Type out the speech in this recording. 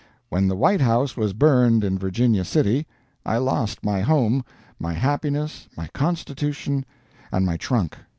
When the White House was burned in Virginia City, I lost my home, my happiness, my constitution, and my trunk.